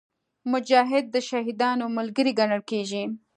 مجاهد د شهیدانو ملګری ګڼل کېږي.